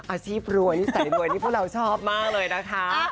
อาชีพรวยนิสัยรวยนี่พวกเราชอบมากเลยนะคะ